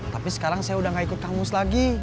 tapi sekarang saya udah gak ikut kang mus lagi